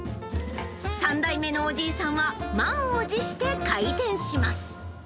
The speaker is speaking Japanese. ３代目のおじいさんは満を持して開店します。